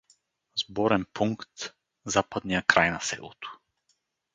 Сборен пункт — западния край на селото.